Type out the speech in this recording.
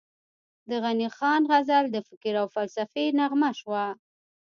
د غني خان غزل د فکر او فلسفې نغمه شوه،